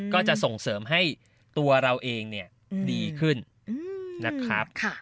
ก็จะส่งเสริมให้ตัวเราเองดีขึ้นนะครับ